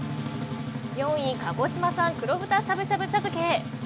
４位、鹿児島産黒豚しゃぶしゃぶ茶漬。